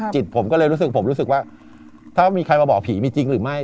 จิตผมก็เลยรู้สึกผมรู้สึกว่าถ้ามีใครมาบอกผีมีจริงหรือไม่